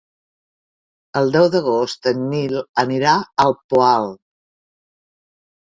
El deu d'agost en Nil anirà al Poal.